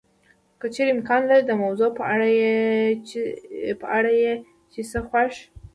که چېرې امکان لري د موضوع په اړه یې چې څه خوښ